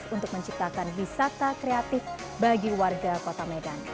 untuk menciptakan wisata kreatif bagi warga kota medan